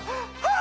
あ！